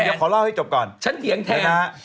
เดี๋ยวขอเล่าให้จบก่อนฉันเถียงแทนนะ